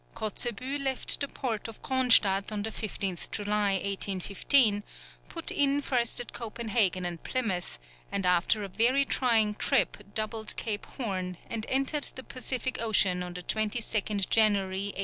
Kotzebue left the port of Cronstadt on the 15th July, 1815, put in first at Copenhagen and Plymouth, and after a very trying trip doubled Cape Horn, and entered the Pacific Ocean on the 22nd January, 1816.